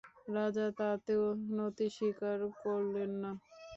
রাজা তাতেও নতি স্বীকার করলেন না।